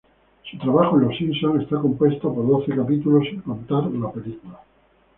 Su trabajo en "Los Simpson" está compuesto por doce capítulos, sin contar la película.